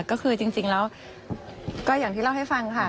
ก็คือจริงแล้วก็อย่างที่เล่าให้ฟังค่ะ